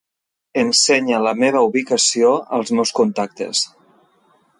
Ensenya la meva ubicació als meus contactes.